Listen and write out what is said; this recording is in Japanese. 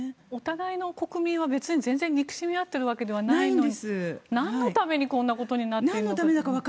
お互いの国民は別に全然憎しみ合っているわけではないのに何のためにこんなことになっているのか。